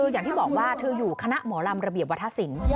อย่างที่บอกว่าเธออยู่คณะหมอลำระเบียบวัฒนศิลป์